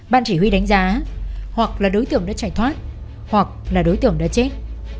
ban chỉ huy đánh giá hoặc là đối tượng đã chạy thoát hoặc là đối tượng đã chết